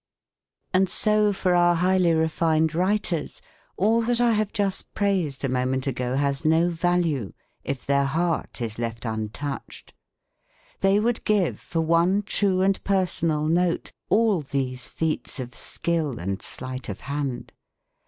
And so for our highly refined writers, all that I have just praised a moment ago has no value if their heart is left untouched. They would give for one true and personal note all these feats of skill and sleight of hand.